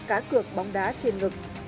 cá cược bóng đá trên ngực